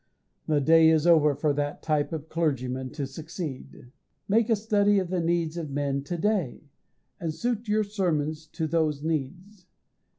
The day is over for that type of clergyman to succeed. Make a study of the needs of men to day, and suit your sermons to those needs.